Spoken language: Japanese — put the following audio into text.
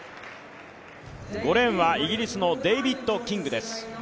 ５レーンはイギリスのデイビッド・キングです。